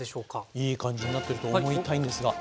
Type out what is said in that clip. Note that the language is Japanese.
いい感じになってると思いたいんですが。